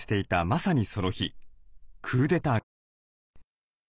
まさにその日クーデターが発生。